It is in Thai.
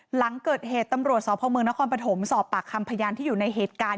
หลังเกิดเหตุตำรวจสพมนครปฐมสอบปากคำพยานที่อยู่ในเหตุการณ์